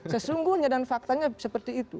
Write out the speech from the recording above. sesungguhnya dan faktanya seperti itu